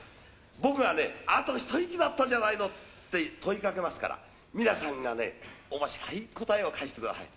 僕がね、あと一息だったじゃないのって、問いかけますから、皆さんがね、おもしろい答えを返してください。